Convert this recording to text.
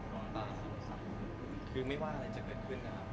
น้องเคลียร์ก็อยู่ข้างก็คือไม่ว่าอะไรจะเกิดขึ้นนะครับ